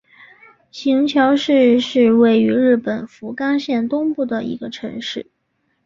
行桥市是位于日本福冈县东部的一个城市。